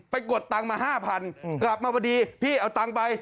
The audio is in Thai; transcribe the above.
ไปกดตังมา๕๐๐๐บาทกลับมาพอดีพี่เอาตังไป